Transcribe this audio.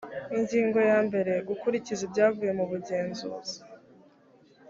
ingingo ya mbere gukurikiza ibyavuye mu bugenzuzi